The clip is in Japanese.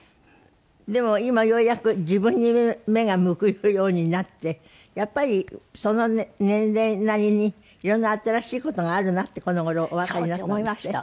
でも今ようやく自分に目が向くようになってやっぱりその年齢なりに色んな新しい事があるなってこの頃おわかりになったんですって？